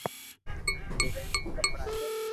سلائي مي ڪپڙا ھي